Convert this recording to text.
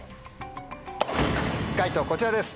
解答こちらです。